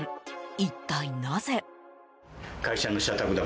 一体、なぜ？